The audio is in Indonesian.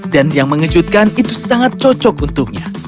dan yang mengejutkan itu sangat cocok untuknya